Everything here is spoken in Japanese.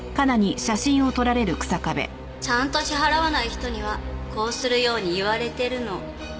ちゃんと支払わない人にはこうするように言われてるの。